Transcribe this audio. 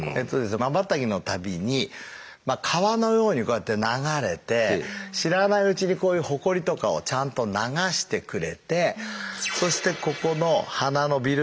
まばたきの度に川のようにこうやって流れて知らないうちにこういうホコリとかをちゃんと流してくれてそしてここの鼻の鼻涙